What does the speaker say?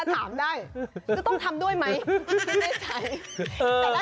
ถามได้จะต้องทำด้วยไหมได้ใช้